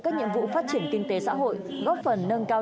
các nhiệm vụ phát triển kinh tế xã hội góp phần nâng cao